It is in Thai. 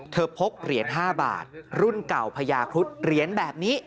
พกเหรียญ๕บาทรุ่นเก่าพญาครุฑเหรียญแบบนี้